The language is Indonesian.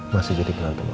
masih jadi penantu mama